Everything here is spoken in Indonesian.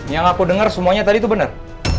yang aku denger semuanya tadi tuh bener